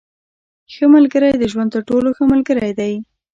• ښه ملګری د ژوند تر ټولو ښه ملګری دی.